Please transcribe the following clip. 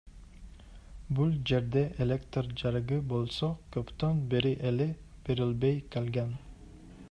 Бул жерде электр жарыгы болсо көптөн бери эле берилбей калган.